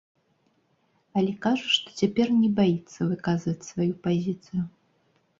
Але кажа, што цяпер не баіцца выказваць сваю пазіцыю.